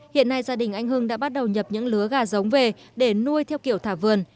hiện nay gia đình anh hưng đã bắt đầu nhập những lứa gà giống về để nuôi theo kiểu thả vườn